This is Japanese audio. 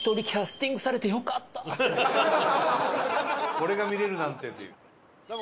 「これが見れるなんて」っていう。